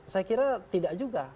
saya kira tidak juga